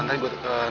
nanti gue teman lagi